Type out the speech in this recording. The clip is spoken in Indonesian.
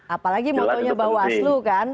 apalagi makanya bawaslu kan